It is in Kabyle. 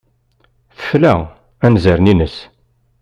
Tefla anzaren-nnes.